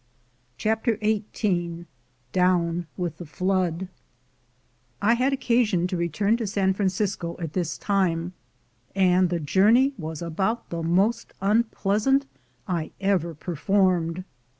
CHAPTER XVIII DOWN WITH THE FLOOD I HAD occasion to return to San Francisco at this time, and the journey was about the most un pleasant I ever performed.